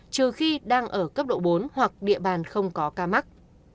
trừ khi đang ở cấp độ bốn hoặc địa bàn không có ca mắc